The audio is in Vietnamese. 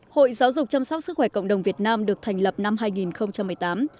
hội giáo dục chăm sóc sức khỏe cộng đồng việt nam được thành lập năm hai nghìn một mươi tám